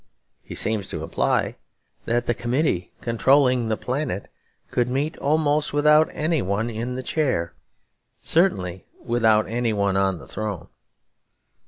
He seems to imply that the committee controlling the planet could meet almost without any one in the chair, certainly without any one on the throne.